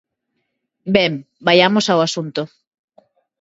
Ben, vaiamos ao asunto.